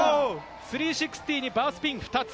３６０にバースピン２つ。